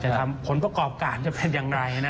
ผลประกอบการจะเป็นอย่างไรนะ